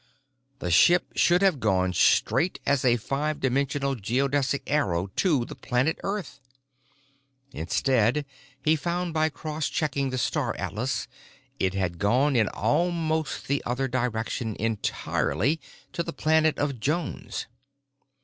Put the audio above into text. The ship should have gone straight as a five dimensional geodesic arrow to the planet Earth. Instead, he found by cross checking the star atlas, it had gone in almost the other direction entirely, to the planet of Jones.